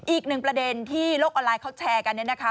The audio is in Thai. อีกหนึ่งประเด็นที่โลกออนไลน์เขาแชร์กันเนี่ยนะคะ